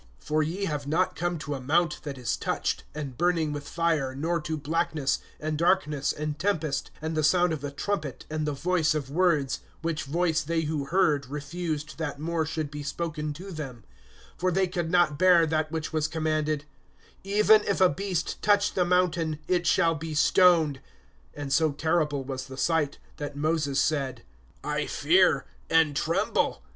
(18)For ye have not come to a mount that is touched, and burning with fire, nor to blackness, and darkness, and tempest, (19)and the sound of a trumpet, and the voice of words; which voice they who heard refused that more should be spoken to them; (20)for they could not bear that which was commanded, Even if a beast touch the mountain, it shall be stoned; (21)and so terrible was the sight, that Moses said: I fear, and tremble.